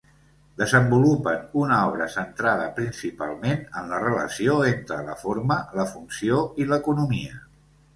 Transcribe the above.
Desenvolupen una obra centrada principalment en la relació entre la forma, la funció i l'economia.